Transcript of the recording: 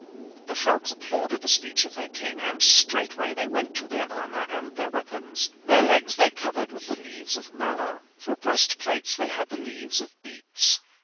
The frogs applauded the speech of their king, and straightway they went to their armor and their weapons. Their legs they covered with the leaves of mallow. For breastplates they had the leaves of beets.